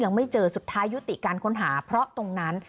ยังไม่เจอสุดท้ายยุติการค้นหาเพราะตรงนั้น